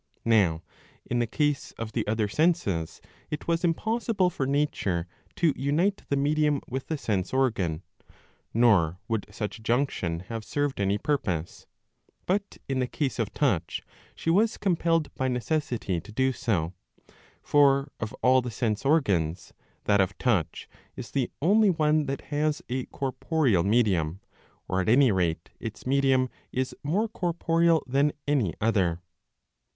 ^ Now in the case of 653b. 38 ii. 8. the other senses it was impossible for nature to unite the medium with the sense organ, nor would such a junction have served any purpose ; but in the case of touch she was compelled by necessity to do so. For of all the sense organs that of touch is the only one that has a corporeal medium, or at any rate its medium is more corporeal than any other.